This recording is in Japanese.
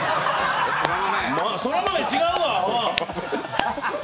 そら豆違うわ！